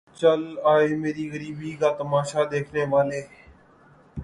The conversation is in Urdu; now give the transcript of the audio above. چل اے میری غریبی کا تماشا دیکھنے والے